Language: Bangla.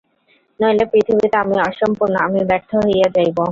নইলে পৃথিবীতে আমি অসম্পূর্ণ, আমি ব্যর্থ হইয়া যাইব।